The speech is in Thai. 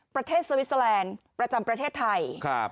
ประเทศสวิสเซอลันด์ประจำประเทศไทย